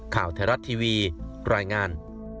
ข่าวเทราะท์ทีวีรายงาน